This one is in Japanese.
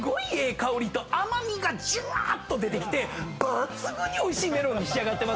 香りと甘味がじゅわーっと出てきて抜群においしいメロンに仕上がってますよ。